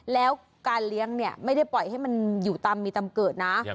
แล้วการเลี้ยงเนี่ยไม่ได้ปล่อยให้มันอยู่ตามมีตำเกิดนะ